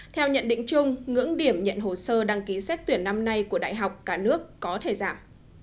theo nhận định chung ngưỡng điểm nhận hồ sơ đăng ký xét tuyển năm nay của đại học cả nước có thể giảm